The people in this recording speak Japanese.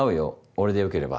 俺で良ければ。